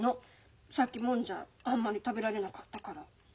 さっきもんじゃあんまり食べられなかったから。